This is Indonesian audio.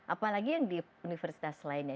apalagi yang di universitas lainnya